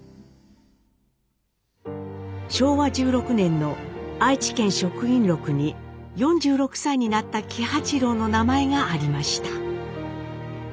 昭和１６年の愛知県職員録に４６歳になった喜八郎の名前がありました。